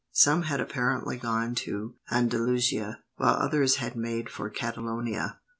Some had apparently gone to Andalusia, while others had made for Catalonia.